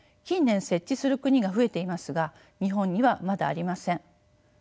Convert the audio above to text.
近年設置する国が増えていますが日本にはまだありません。